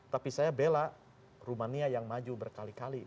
tapi saya bela rumania yang maju berkali kali